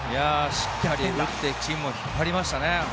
しっかり打ってチームを引っ張りましたね。